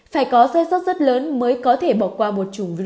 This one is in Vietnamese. phải có sai sót rất lớn mới có thể bỏ qua một chủng virus